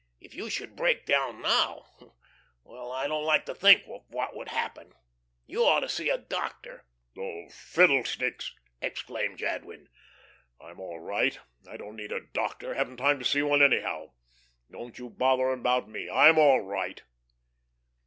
If you should break down now well, I don't like to think of what would happen. You ought to see a doctor." "Oh h, fiddlesticks," exclaimed Jadwin, "I'm all right. I don't need a doctor, haven't time to see one anyhow. Don't you bother about me. I'm all right."